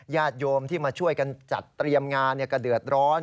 ญาติโยมที่มาช่วยกันจัดเตรียมงานก็เดือดร้อน